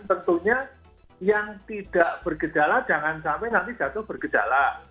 tentunya yang tidak bergedala jangan sampai nanti jatuh bergedala